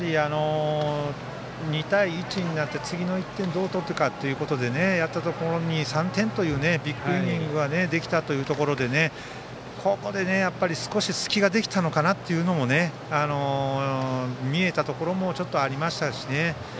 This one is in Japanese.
２対１になって次の１点どうとるかとやってきたところに、３点というビッグイニングができたところでここで隙ができたのかなとも見えたところもちょっとありましたし。